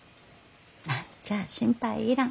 何ちゃあ心配いらん。